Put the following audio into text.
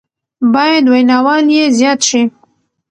بايد ويناوال يې زياد شي